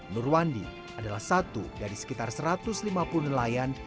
nurwandi adalah satu dari sekitar satu ratus lima puluh nelayan